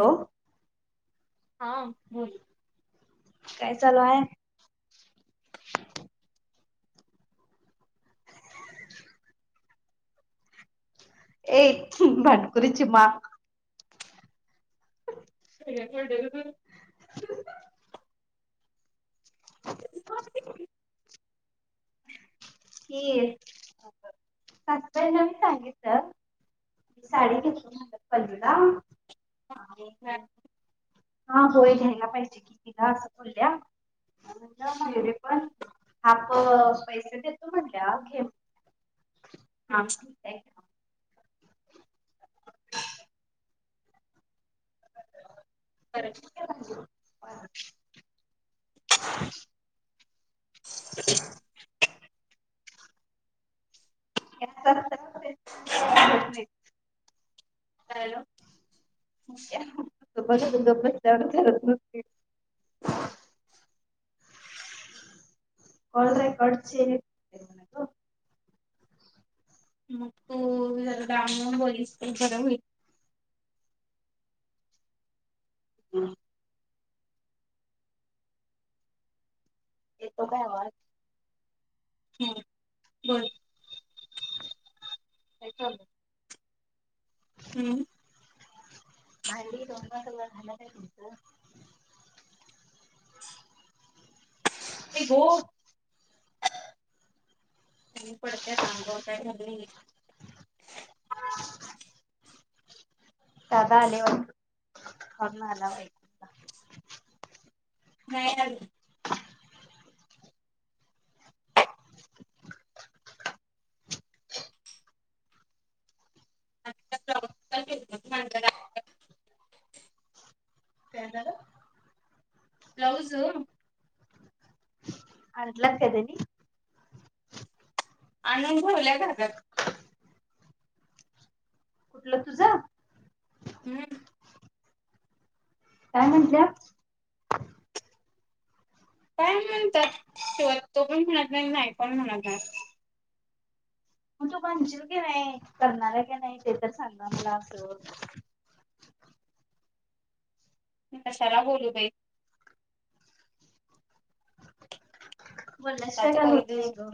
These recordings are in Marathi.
हॅलो हा, बोल. काय चालू हाय? ए भांडकुरी चिमा. ते तु [inaudible] [unintelligible] ह सस्बड न मी सांगितलं मी साडी घेतली म्ह पूला अ हा होय घ्यायला पाहिजे कि तिला असं बोलल्याे पण हाफ पैसे देतो म्हटल्या घे हाफ ह हॅलो ग्ब जा करत नते कणरे कडचे मग तू जरा गाम बलीस बर होईल हम् [unintelligible] येतो काय वा [unintelligible] ह बरं [unintelligible] ते लू [unintelligible] हम्म [unintelligible] भांडी दोननागळ झाला आहे तुमचं [unintelligible] ते ग पडत्याांगव [unintelligible] दादा आलेवर र्ून आला नाही [unintelligible] [unintelligible] ॉां ते [unintelligible] ब्लाौस [unintelligible] अ ला कात [unintelligible] आणून घेवल्या जातात [unintelligible] कुठलं तुझं [unintelligible] हम्म [unintelligible] काय म्हणटल्या [unintelligible] काय म्हणतात शे तो पण म्हणत नाही नाही पण म्हणत नाही मग तू बणशील की नाही करणार आहे की नाही ते तर सांगा मला असं [unintelligible] मी कशाला बोलू बाई [unintelligible] बोलल्याशिवाय स्वतःच काय करू होत दे नाही ग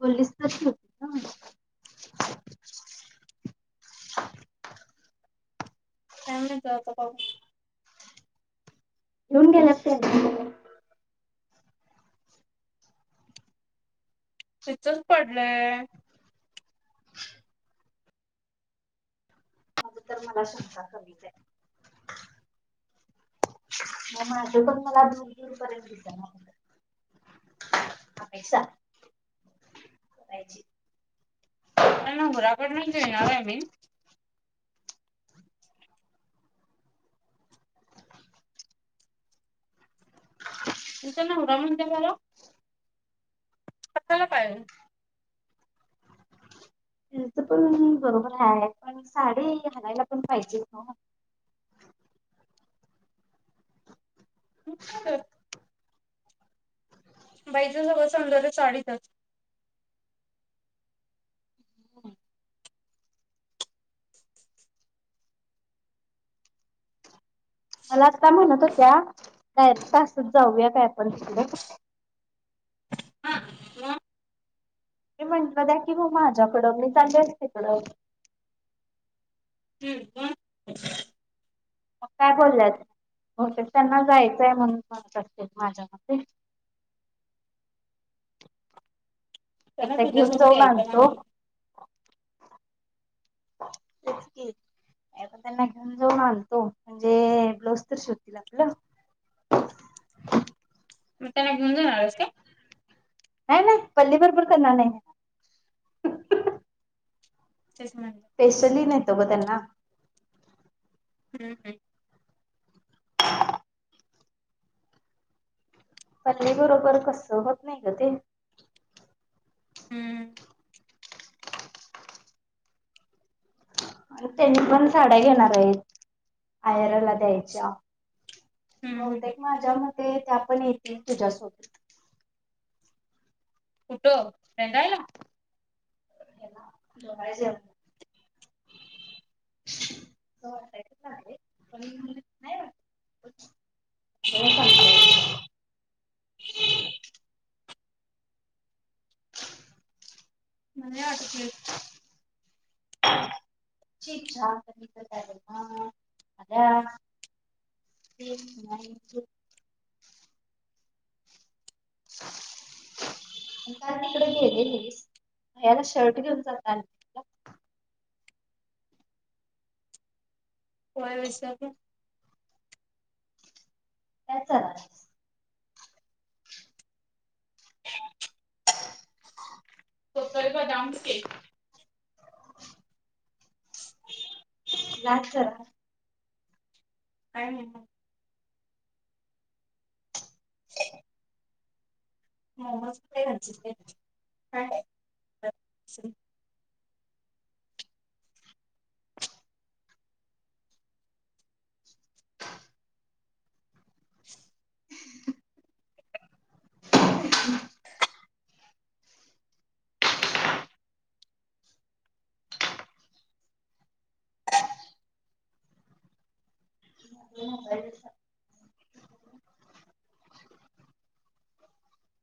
बोललीस तरच होती का [unintelligible] काच होत त्याच [unintelligible] घेऊन गेल्यात त्यांनी [unintelligible] तितच पडलंय [unintelligible] माझ तर शिसा कमीच आहे [unintelligible] माझं पण मला दूर दूर पर्यंत दिसेना अपे काळजी [unintelligible] अ ना घुराकडून येणार आय मीन तुचं नाव रमण देव [unintelligible] कसाला पायल [unintelligible] ह तर पण बरोबर आहे पण साडी हलायला पण पाहिजेत ना [unintelligible] पाहिजे [unintelligible] बाईच सगळं समजालं साडीचच मला आता म्हणत होत्या काय तासत जाऊया काय आपण शिक [unintelligible] हा त [unintelligible] मी म्हंटलं द्या की हो माझ्याकडं मी चाले तिकडं तीर्थ ब [unintelligible] ट ट [unintelligible] आता बोलल्यात हो ते रिसेप्शनला त्यांना जायचंय म्हणून म्हणत असते माझ्या मग [unintelligible] त्यांना एकदा घेऊन तुझ्यासोबत जाऊन यायचं माझ्या आणतो [unintelligible] तेच हम् की [unintelligible] पण त्यांना घेऊन जाऊन आणतो म्हणजे ब्लाऊज तर शिवतील आपलं [unintelligible] मग त्यांना घेऊन जाणारस का नाही नाही पल्ली भरभर करणार नाही [unintelligible] चष्मा आणला [unintelligible] स्पेशली नव्हत ग त्यांना [unintelligible] हम् हम् पल्ली बरोबर कस होत नाही ग ते हम्म त्यांनी पण सोडायला येणार आहेत आवरायला द्यायच्या बहुतेक माझ्या मते त्या पण येतील तुझ्यासोबत कुठं रडायला जयज हो आहे पण ह मुल असती ठीक ठाक अ नाही काय तिकडे गेलेलीस भैय्याला शर्ट घेऊन जात होय वस का त्याच काय चाललंय हो होतोय बदाम शेक छ छ ह लास्ट ना काय म्हणताय स मोमज ते आणतील काय ह ह हो ह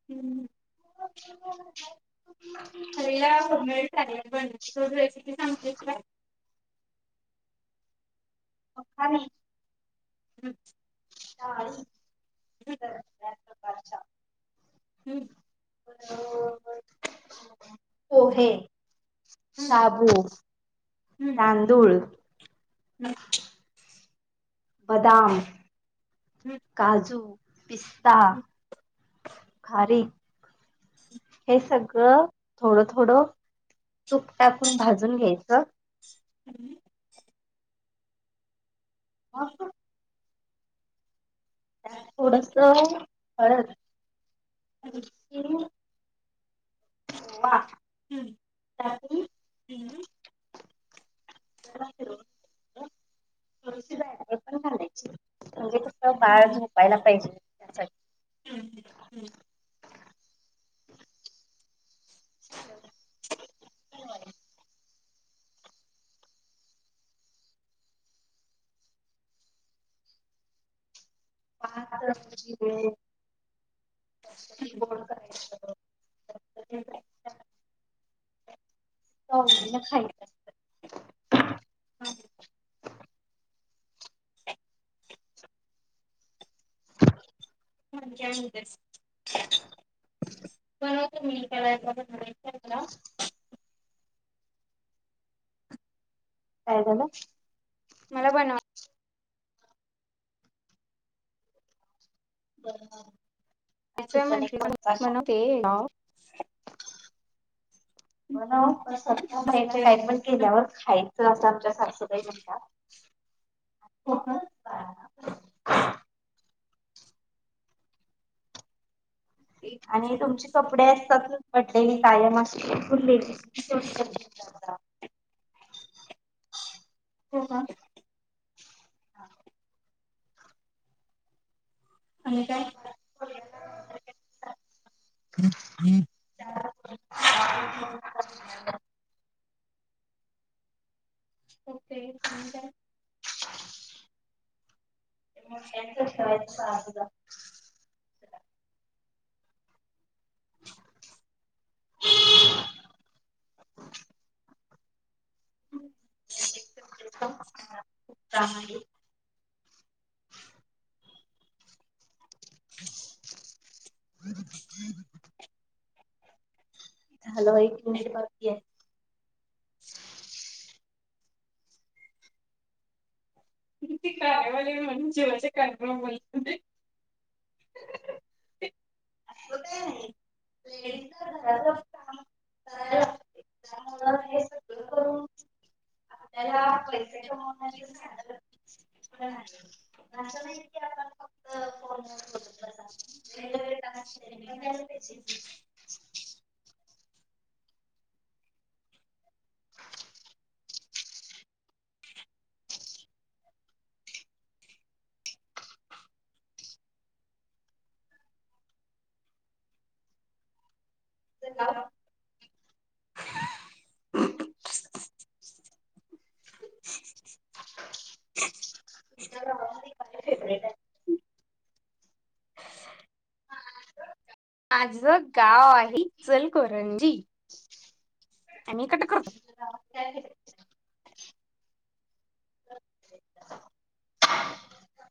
हम्म [inaudible] हल्ला होमे चालेल पण तो रेसिपी सांगतेस का छान अच् काळजी करायच काय काम हम्म घरी येऊन जा पोहे शाबू तांदूळ अच्छ बदाम म काजू पिस्ता खारीक हे सगळं थोडं थोडं तूप टाकून भाजून घ्यायचं हम्म ह थोडस हळद अ थोडीशी ह ओवा हम्म टाकून हम्म पण घायची म्हणजे मग भायर झोपायला पाहिजे त्यासाठी हम् म्रझी वेळे कोण करायच हम. गौरीला खायचाय. हां. [unintelligible] [unintelligible] काय झालं. मला बनवा. बर आणि तू पण एक सप्तास सांग. ते, नाव [unintelligible] पण केल्यावर खायचं असं आमच्या सासुबाई म्हणतात. हो मग कां. कर बाळा. आणि तुमचे कपडे असतात, पडलेली कायम अशी फुललेली. तुम्ही [unintelligible] हो, कां हां. आणि काय, [inaudible] [unintelligible] ओके. आणि काय, [unintelligible] [inaudible] [inaudible] खप आहे. [unintelligible] हॅलो एक मिनिट बाकी आहे. किती कार्यावाले आहे, म्हणून जेवाचे टाईम लावून ‌बोलत होते. [unintelligible] लेडीजला घरातलं काम करायला [unintelligible] लागते त्यामुळं त्याला पैसे कमवन्याचं साधन, असं नाही की, आपण फक्त फोनवरच बोलत बसा. पाहिजे. [unintelligible] तुझं गाव जरा, तुमच्या घरामध्ये‌ काय शेपरेट हाय. माझ गाव आहे इचलकरंजी, आणि कट करतो. [unintelligible] फेवरेट [inaudible]